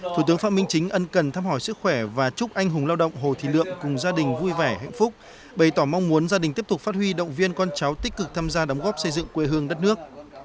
thủ tướng phạm minh chính ân cần thăm hỏi sức khỏe và chúc anh hùng lao động hồ thị lượm cùng gia đình vui vẻ hạnh phúc bày tỏ mong muốn gia đình tiếp tục phát huy động viên con cháu tích cực tham gia đóng góp xây dựng quê hương đất nước